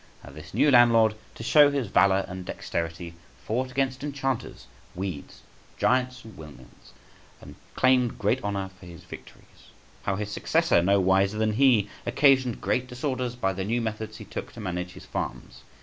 How this new landlord, to show his valour and dexterity, fought against enchanters, weeds, giants, and windmills, and claimed great honour for his victories. How his successor, no wiser than he, occasioned great disorders by the new methods he took to manage his farms.